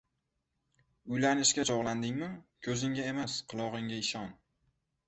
• Uylanishga chog‘landingmi ― ko‘zingga emas, qulog‘ingga ishon.